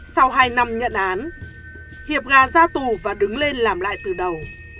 sau hai năm nhận án hiệp nga ra tù và đứng lên làm lại từ đầu